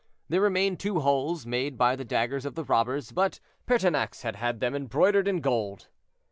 There remained two holes made by the daggers of the robbers, but Pertinax had had them embroidered in gold.